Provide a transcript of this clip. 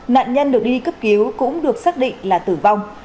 nạn nhân được đi cấp cứu cũng được xác định là tử vong